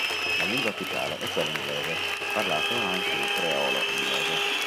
La lingua ufficiale è quella inglese; parlato anche il creolo-inglese.